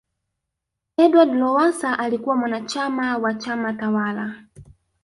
edward Lowasa alikuwa mwanachama wa chama tawala